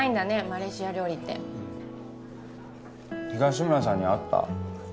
マレーシア料理って東村さんに会った？